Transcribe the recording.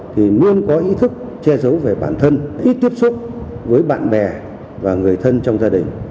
thì luôn có ý thức che giấu về bản thân ít tiếp xúc với bạn bè và người thân trong gia đình